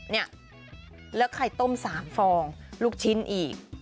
เนี่ยแล้วไข่ต้ม๓ฟองลูกชิ้นอีก